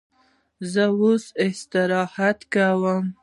زه اوس استراحت کوم.